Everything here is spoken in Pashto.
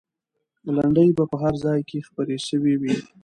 لنډۍ به په هر ځای کې خپرې سوې وي.